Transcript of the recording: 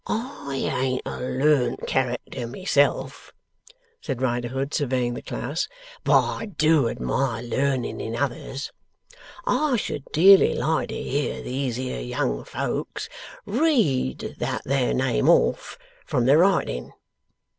'I ain't a learned character myself,' said Riderhood, surveying the class, 'but I do admire learning in others. I should dearly like to hear these here young folks read that there name off, from the writing.